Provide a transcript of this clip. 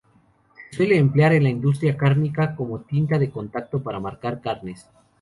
Se suele emplear en la industria cárnica como tinta de contacto para marcar carnes.